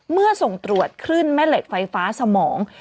เมื่อส่งตรวจคลื่นแม่เหล็กไฟฟ้าสมอง